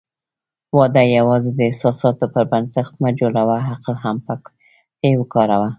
واده یوازې د احساساتو پر بنسټ مه جوړوه، عقل هم پکې وکاروه.